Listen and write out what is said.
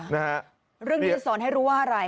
นะฮะเรื่องนี้จะสอนให้รู้ว่าอะไร